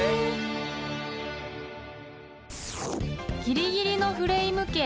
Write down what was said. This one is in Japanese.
［ギリギリのフレイム家］